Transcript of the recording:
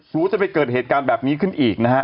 กลัวจะไปเกิดเหตุการณ์แบบนี้ขึ้นอีกนะฮะ